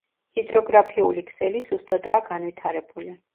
ჰიდროგრაფიული ქსელი სუსტადაა განვითარებული.